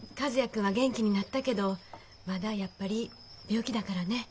君は元気になったけどまだやっぱり病気だからね。